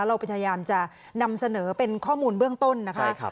เราพยายามจะนำเสนอเป็นข้อมูลเบื้องต้นนะคะ